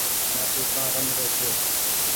لآٽون ڪآ رمرو ڇي۔